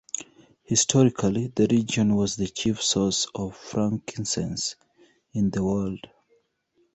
Historically the region was the chief source of frankincense in the world.